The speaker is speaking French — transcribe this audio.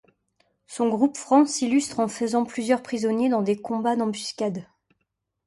Son groupe franc s'illustre en faisant plusieurs prisonniers dans des combats d'embuscades.